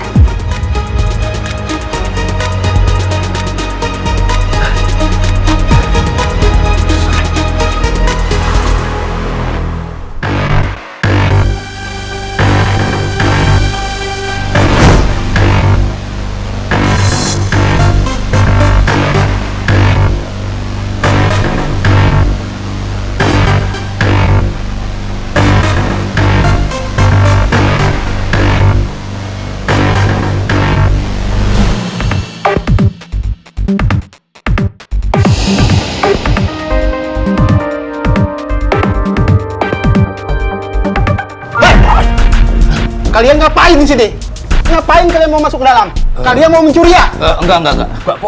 hai kalian ngapain di sini ngapain kalian mau masuk dalam kalian mau mencuriga enggak